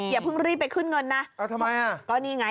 ผมเพิ่งรีบไปขึ้นเงินนะ